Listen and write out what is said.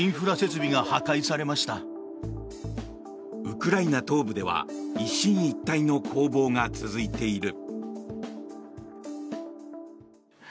ウクライナ東部では一進一退の攻防が続いている。